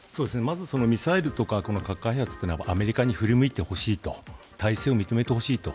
ミサイルとか核開発というのはアメリカに振り向いてほしいと体制を認めてほしいと。